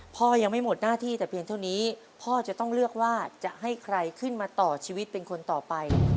พ่อยังไม่หมดหน้าที่แต่เพียงเท่านี้พ่อจะต้องเลือกว่าจะให้ใครขึ้นมาต่อชีวิตเป็นคนต่อไป